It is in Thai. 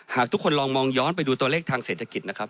หากทุกคนลองมองย้อนไปดูตัวเลขทางเศรษฐกิจ